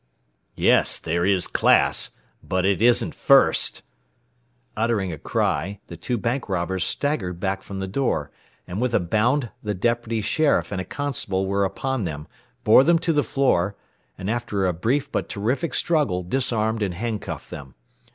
"Yes, there is class but it isn't first!" Uttering a cry the two bank robbers staggered back from the door, and with a bound the deputy sheriff and a constable were upon them, bore them to the floor, and after a brief but terrific struggle disarmed and handcuffed them.